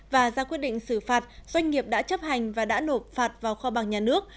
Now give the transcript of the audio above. và ra quyết định xử phạt doanh nghiệp đã chấp hành và đã nộp phạt vào kho bằng nhà nước